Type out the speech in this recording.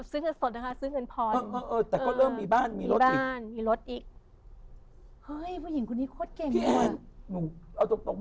ซื้อเงินสดนะคะซื้อเงินพอ